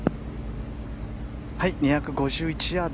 ２５１ヤード